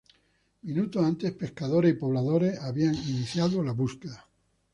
Minutos antes, pescadores y pobladores habían iniciado la búsqueda.